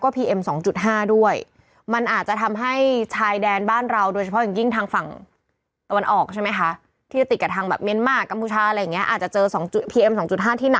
พื้นที่อื่น